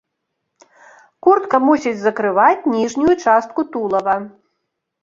Куртка мусіць закрываць ніжнюю частку тулава.